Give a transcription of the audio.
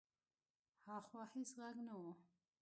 هاخوا هېڅ غږ نه و.